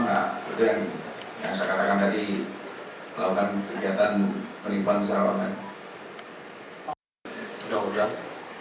enggak berjaya yang saya katakan tadi melakukan kegiatan penipuan secara langsung